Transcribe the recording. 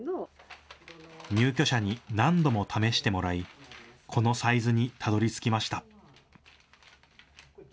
入居者に何度も試してもらいこのサイズにたどりつきました。